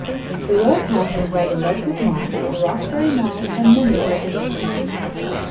The road passes by the Ledgewood Mall, the Roxbury Mall, and many other businesses.